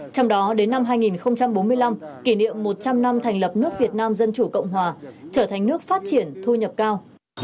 trong đó đến năm hai nghìn bốn mươi năm kỷ niệm một trăm linh năm thành lập nước việt nam dân chủ cộng hòa trở thành nước phát triển thu nhập cao